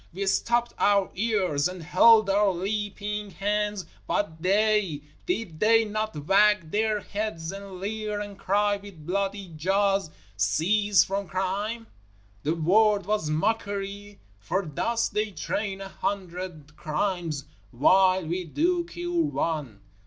We stopped our ears and held our leaping hands, but they did they not wag their heads and leer and cry with bloody jaws: Cease from Crime! The word was mockery, for thus they train a hundred crimes while we do cure one.